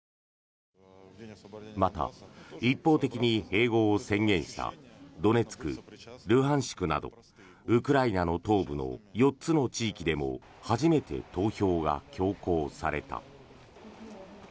また、一方的に併合を宣言したドネツク、ルハンシクなどウクライナの東部の４つの地域でも初めて投票が強行された。